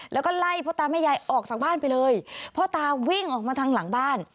แล้วก็ไล่พ่อตาแม่ยายออกจากบ้านไปเลยพ่อตาวิ่งออกมาทางหลังบ้าน